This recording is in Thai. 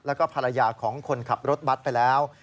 แล้วก็ภรรยาของคนขับรถบัตรไปแล้ว